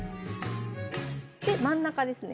真ん中ですね